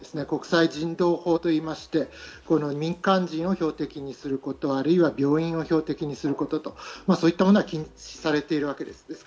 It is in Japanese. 国際人道法と言いまして、民間人を標的にすること、あるいは病院を標的にすること、そういったものは禁止されています。